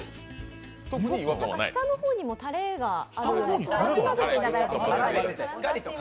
下の方にもたれがあるので、かき混ぜていただいて。